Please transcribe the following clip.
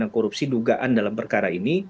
korupsi dugaan dalam perkara ini